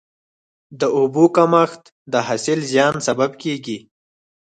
د اوبو کمښت د حاصل زیان سبب کېږي.